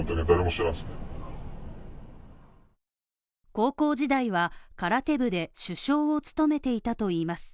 高校時代は空手部で主将を務めていたといいます。